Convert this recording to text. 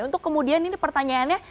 untuk kemudian ini pertanyaannya